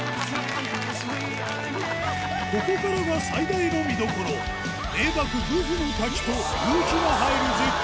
ここからが最大の見どころ名瀑グフの滝と夕日が映える絶景ポイント